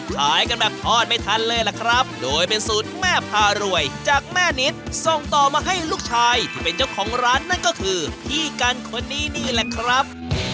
ขายกันแบบทอดไม่ทันเลยล่ะครับโดยเป็นสูตรแม่พารวยจากแม่นิดส่งต่อมาให้ลูกชายที่เป็นเจ้าของร้านนั่นก็คือพี่กันคนนี้นี่แหละครับ